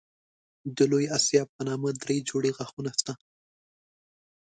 د لوی آسیاب په نامه دری جوړې غاښونه شته.